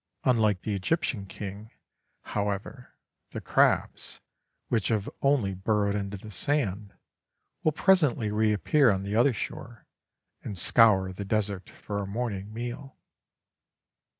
Unlike the Egyptian king, however, the crabs, which have only burrowed into the sand, will presently reappear on the other shore and scour the desert for a morning meal.